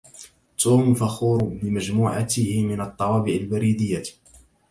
توم فخورٌ بمجموعته من الطوابع البريدية.